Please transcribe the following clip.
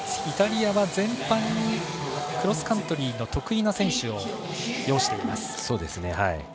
イタリアは前半にクロスカントリーの得意な選手を擁しています。